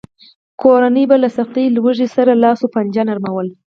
کورنیو به له سختې لوږې سره لاس و پنجه نرموله.